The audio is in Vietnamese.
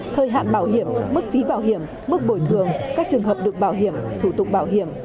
thời hạn bảo hiểm mức phí bảo hiểm mức bồi thường các trường hợp được bảo hiểm thủ tục bảo hiểm